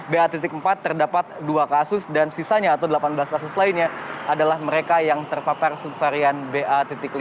ba empat terdapat dua kasus dan sisanya atau delapan belas kasus lainnya adalah mereka yang terpapar subvarian ba lima